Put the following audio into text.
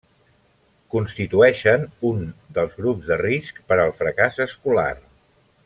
Constitueixen un dels grups de risc per al fracàs escolar.